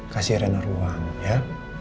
kasih rena ruang ya